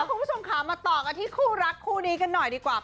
คุณผู้ชมค่ะมาต่อกันที่คู่รักคู่นี้กันหน่อยดีกว่า